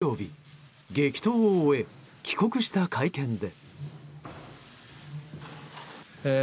水曜日、激闘を終え帰国した会見で。